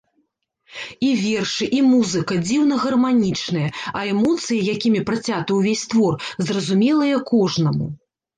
І вершы, і музыка дзіўна гарманічныя, а эмоцыі, якімі працяты ўвесь твор, зразумелыя кожнаму.